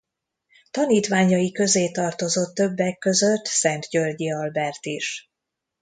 Tanítványai közé tartozott többek között Szent-Györgyi Albert is.